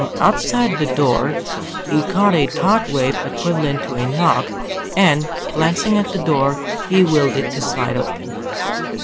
From outside the door he caught a thought wave equivalent to a knock, and, glancing at the door, he willed it to slide open.